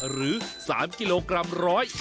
หรือ๓กิโลกรัมร้อย